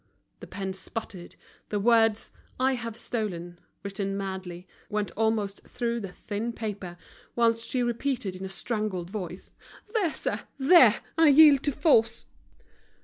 The pen sputtered, the words: "I have stolen," written madly, went almost through the thin paper, whilst she repeated in a strangled voice: "There, sir, there. I yield to force."